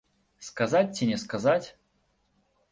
Сказаць ці не сказаць?